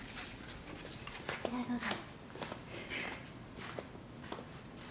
こちらへどうぞ。